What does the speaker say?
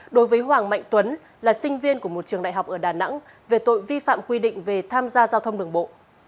đối với hoàng mạnh tuấn là sinh viên của một trường đại học ở đà nẵng về tội vi phạm quy định về tham gia giao thông đường bộ